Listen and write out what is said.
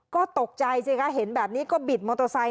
ก็ตกใจสิคะเห็นแบบนี้ก็บิดมอเตอร์ไซค